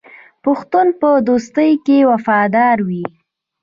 پښتون په دوستۍ کې وفادار وي.